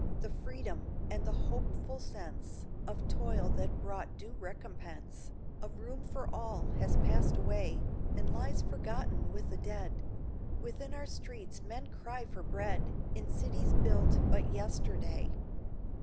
The freedom, and the hopeful sense Of toil that brought due recompense, Of room for all, has passed away, And lies forgotten with the dead. Within our streets men cry for bread In cities built but yesterday.